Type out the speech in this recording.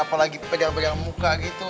apalagi pedang pegang muka gitu